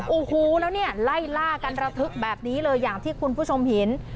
โอ้โหแล้วเนี่ยไล่ล่ากันระทึกแบบนี้เลยอย่างที่คุณผู้ชมเห็น